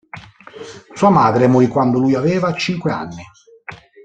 Sua madre morì quando lui aveva cinque anni.